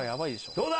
どうだ？